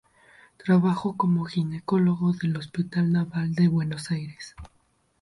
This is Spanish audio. Trabajó como Ginecólogo del Hospital Naval de Buenos Aires.